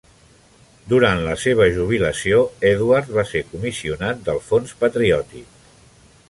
Durant la seva jubilació, Edward va ser comissionat del Fons Patriòtic.